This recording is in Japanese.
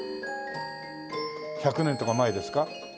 １００年とか前ですか？